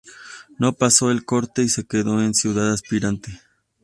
No pasó el corte y se quedó en ciudad aspirante.